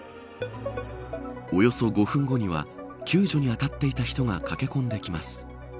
およそ５分後には救助に当たっていた人が駆け込んできます。